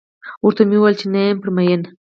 ورته و مې ويل چې نه یم پرې مين.